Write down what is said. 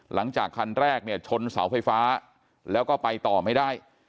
หลังจากคันแรกเนี่ยชนเสาไฟฟ้าแล้วก็ไปต่อไม่ได้